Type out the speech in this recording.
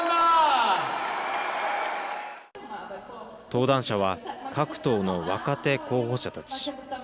登壇者は各党の若手候補者たち。